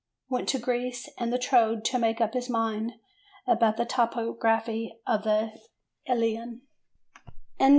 Went to Greece and the Troad to make up his mind about the topography of the Iliad.